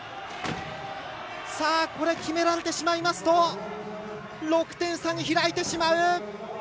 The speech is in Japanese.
これは決められてしまいますと６点差に開いてしまう。